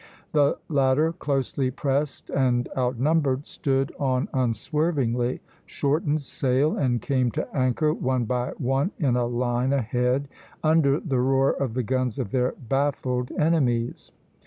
The latter, closely pressed and outnumbered, stood on unswervingly, shortened sail, and came to anchor, one by one, in a line ahead (B, B'), under the roar of the guns of their baffled enemies.